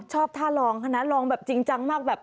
ชอบทารองค่ะนะลองแบบจริงจังมาก